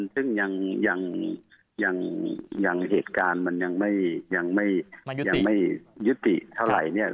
ซึ่งยังเหตุการณ์มันยังไม่ยุติเท่าไหร่เนี่ย